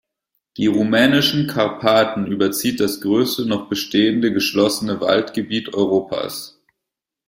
Die rumänischen Karpaten überzieht das größte noch bestehende, geschlossene Waldgebiet Europas.